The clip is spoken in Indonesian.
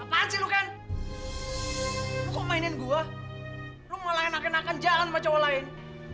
apaan sih lu kan lu kok mainin gue lu malah enakan enakan jalan sama cowok lain